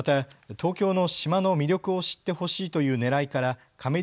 東京の島の魅力を知ってほしいというねらいからかめり